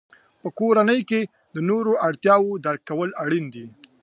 په کورنۍ کې د نورو اړتیاوو درک کول اړین دي.